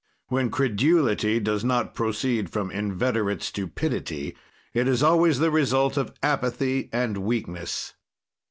"When credulity does not proceed from inveterate stupidity, it is always the result of apathy and weakness.